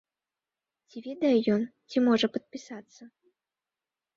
Ці ведае ён, ці можа падпісацца?